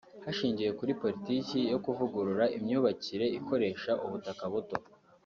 Hashingiwe kuri Politiki yo kuvugurura imyubakire ikoresha ubutaka buto